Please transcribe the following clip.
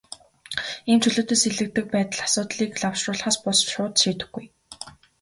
Ийм чөлөөтэй сэлгэдэг байдал асуудлыг лавшруулахаас бус, шууд шийдэхгүй.